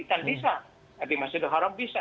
dan bisa di masjidul haram bisa